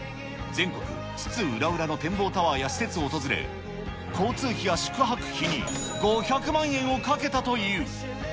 全国津々浦々の展望タワーや施設を訪れ、交通費や宿泊費に５００万円をかけたという。